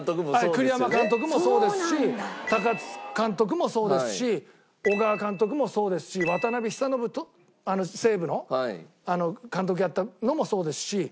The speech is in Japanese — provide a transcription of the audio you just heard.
はい栗山監督もそうですし高津監督もそうですし小川監督もそうですし渡辺久信西武の監督やったのもそうですし。